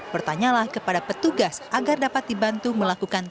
bertanyalah kepada petugas agar dapat dibantu melakukan